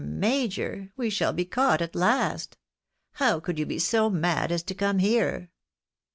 major I we shall be caught at last ! How could you be so mad as to come here